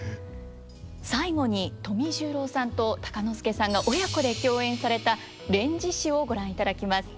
最後に富十郎さんと鷹之資さんが親子で共演された「連獅子」をご覧いただきます。